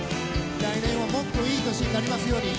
来年ももっといい年になりますように。